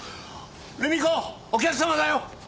留美子お客様だよ！